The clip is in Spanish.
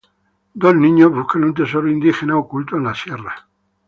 Dos niños buscan un tesoro indígena oculto en las sierras.